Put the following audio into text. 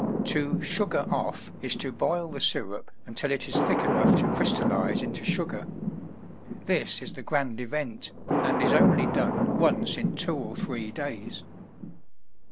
To "sugar off" is to boil the sirup until it is thick enough to crystallize into sugar. This is the grand event, and is only done once in two or three days.